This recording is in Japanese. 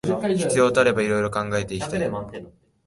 必要とあれば色々と考えていきたい